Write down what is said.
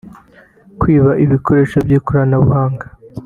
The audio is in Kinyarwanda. kwiba ibikoresho by’ ikoranabuhanga